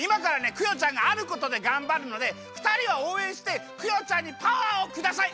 クヨちゃんがあることでがんばるのでふたりはおうえんしてクヨちゃんにパワーをください！